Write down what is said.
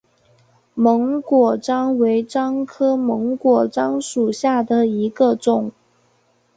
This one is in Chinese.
檬果樟为樟科檬果樟属下的一个种。